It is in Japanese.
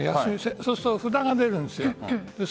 そうすると、札が出るんです。